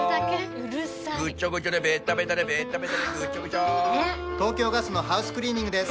ぐちょ東京ガスのハウスクリーニングです